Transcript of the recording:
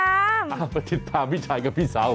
ไปติดตามพี่ชายกับพี่สาว